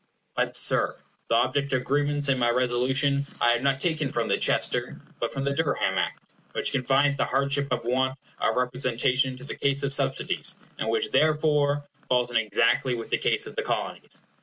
But, Sir, the object of grievance in my Resolution I have not taken from the Chester, but from the Durham Act, which confines the hardship of want of representation to the case of subsidies, and which therefore falls in exactly with the case of the Colonies.